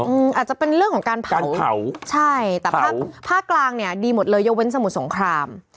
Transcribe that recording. อาจจะเป็นเรื่องของการผ่านเขาใช่แต่ภาคภาคกลางเนี่ยดีหมดเลยยกเว้นสมุทรสงคราม